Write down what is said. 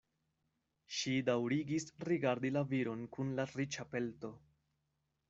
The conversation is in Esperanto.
Ŝi daŭrigis rigardi la viron kun la riĉa pelto.